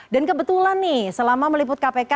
dan kebetulan nih selama meliput kpk